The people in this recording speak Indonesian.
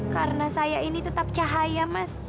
karena saya ini tetap cahaya